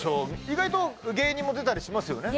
意外と芸人も出たりしますよね